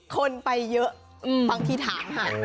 คนไปเยอะบางทีถามหา